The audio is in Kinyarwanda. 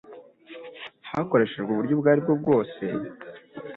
hakoreshejwe uburyo ubwo ari bwo bwose